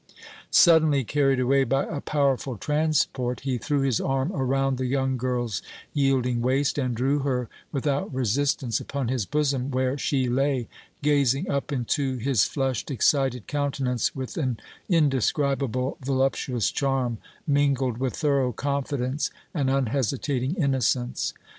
Suddenly carried away by a powerful transport, he threw his arm around the young girl's yielding waist and drew her without resistance upon his bosom, where she lay, gazing up into his flushed, excited countenance with an indescribable, voluptuous charm, mingled with thorough confidence and unhesitating innocence.